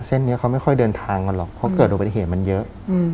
เส้นนี้เขาไม่ค่อยเดินทางกันหรอกเขาก็เกิดววิทยาธิ์เหมือนมันเยอะ